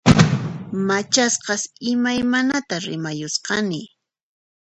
Machasqas imaymanata rimayusqani